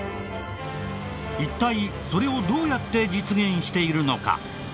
一体それをどうやって実現しているのか？